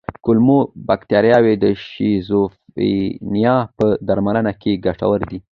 کولمو بکتریاوې د شیزوفرینیا په درملنه کې ګټورې دي.